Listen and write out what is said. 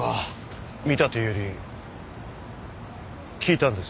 見たというより聞いたんです。